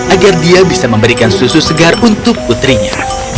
agar dia bisa memberikan susu segar untuk putrinya